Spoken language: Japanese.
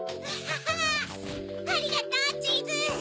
ありがとうチーズ！